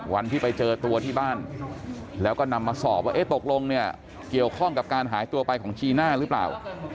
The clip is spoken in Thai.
วันที่ไปเจอตัวที่บ้านแล้วก็นำมาสอบว่าเอ๊ะตกลงเนี่ยเกี่ยวข้องกับการหายตัวไปของจีน่าหรือเปล่า